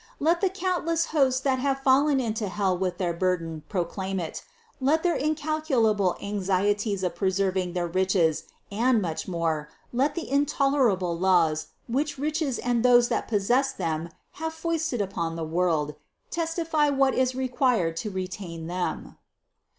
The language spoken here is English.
Let the count less hosts that have fallen into hell with their burden, pro claim it ; let their incalculable anxieties of preserving their riches, and much more, let the intolerable laws, which riches and those that possess them have foisted upon the world, testify what is required to retain them!